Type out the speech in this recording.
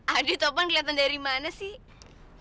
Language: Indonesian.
aduh topeng keliatan dari mana sih